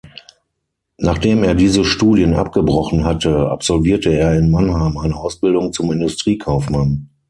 Nachdem er diese Studien abgebrochen hatte, absolvierte er in Mannheim eine Ausbildung zum Industriekaufmann.